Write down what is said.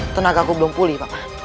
tenagaku belum pulih papa